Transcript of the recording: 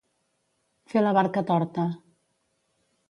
Fer la barca torta.